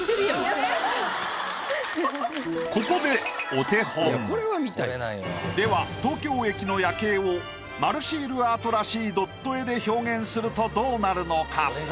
ここでお手本。では東京駅の夜景を丸シールアートらしいドット絵で表現するとどうなるのか？